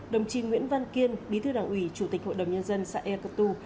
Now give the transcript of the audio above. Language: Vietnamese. đồng chí nguyễn văn kiên bí thư đảng ủy chủ tịch hội đồng nhân dân xã e cơ tu